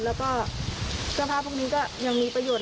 แล้วก็เสื้อผ้าพวกนี้ก็ยังมีประโยชน